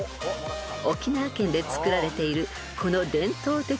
［沖縄県で作られている］